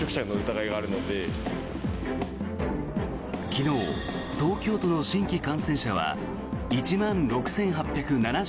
昨日、東京都の新規感染者は１万６８７８人。